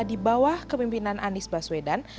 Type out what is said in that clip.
di bawah kepemimpinan anies baswedan